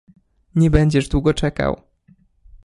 "Nie będziesz długo czekał."